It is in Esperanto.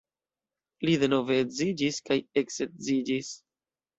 Li denove edziĝis kaj eksedziĝis.